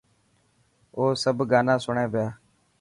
او سب گانا سڻي پيا.